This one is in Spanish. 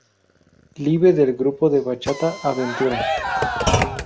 Live del grupo de bachata Aventura.